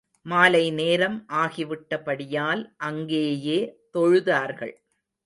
மாலை நேரம் ஆகிவிட்டபடியால், அங்கேயே தொழுதார்கள்.